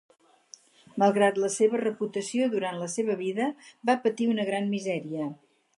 Malgrat la seva reputació, durant la seva vida va patir una gran misèria.